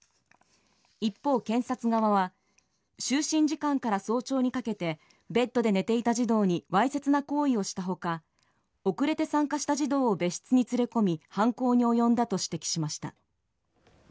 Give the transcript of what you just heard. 一方、検察側は就寝時間から早朝にかけてベッドで寝ていた児童にわいせつな行為をした他遅れて参加した児童を別室に連れ込み犯行に及んだと指摘しました。